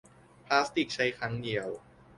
พลาสติกใช้ครั้งเดียว